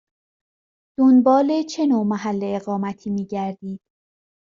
دنبال چه نوع محل اقامتی می گردید؟